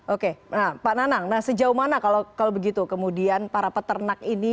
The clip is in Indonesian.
oke pak nanang nah sejauh mana kalau begitu kemudian para peternak ini